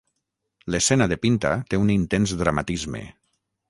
L'escena de Pinta té un intens dramatisme.